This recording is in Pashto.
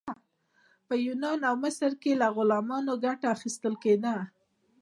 په یونان او مصر کې له غلامانو ګټه اخیستل کیده.